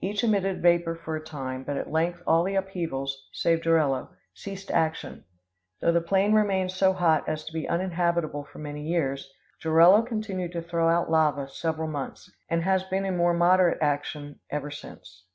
Each emitted vapor for a time; but at length all the upheavals, save Jorullo, ceased action, though the plain remained so hot as to be uninhabitable for many years. Jorullo continued to throw out lava several months, and has been in more moderate action ever since.